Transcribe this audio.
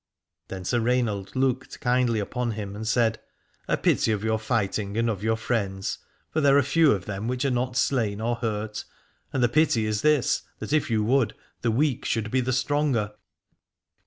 Then Sir Rainald looked kindly upon him and said : A pity of your fighting, 349 Alad ore and of your friends : for there are few of them which are not slain or hurt. And the pity is this, that if you would, the weak should be the stronger.